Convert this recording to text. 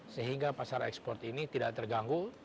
sehingga pasar ekspor ini tidak terganggu